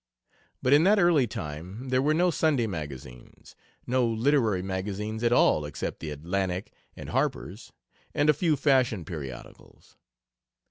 But in that early time there were no Sunday magazines no literary magazines at all except the Atlantic, and Harpers, and a few fashion periodicals.